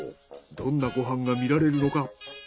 どんなご飯が見られるのか。